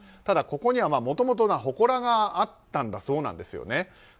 ただ、ここには、もともとほこらがあったんだそうなんです。